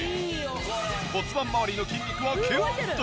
骨盤まわりの筋肉をキュッと刺激。